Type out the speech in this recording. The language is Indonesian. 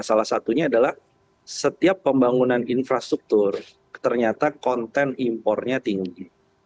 salah satunya adalah setiap pembangunan infrastruktur ternyata konten impornya tinggi